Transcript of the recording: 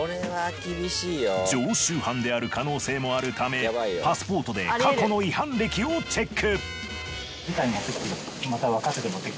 常習犯である可能性もあるためパスポートで過去の違反歴をチェック。